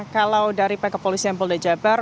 kalau dari pkp polisian polda jabar